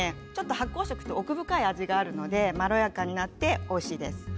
発酵食は奥深い味があるのでまろやかになっておいしいです。